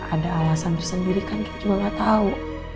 ada alasan bersendiri kan kita juga gak tau